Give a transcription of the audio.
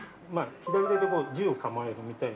◆左手で銃を構えるみたいに。